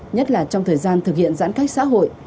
nhất là trong thời gian thực hiện giãn cách xã hội